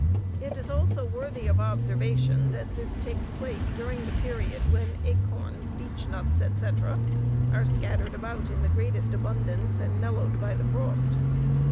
It is also worthy of observation that this takes place during the period when acorns, beechnuts, etc., are scattered about in the greatest abundance and mellowed by the frost.